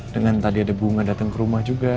dengan tadi ada bunga datang ke rumah juga